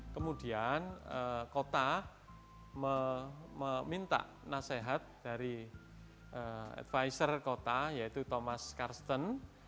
kemudian kota meminta nasihat dari advisor kota yaitu thomas karsten